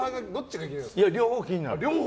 両方気になる。